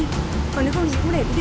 còn nếu không thì chị cũng để đi đi